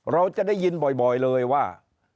เราจะได้ยินบ่อยเลยว่า